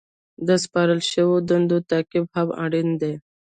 د سپارل شوو دندو تعقیب هم اړین دی.